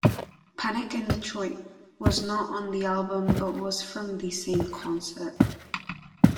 "Panic in Detroit" was not on the album but was from the same concert.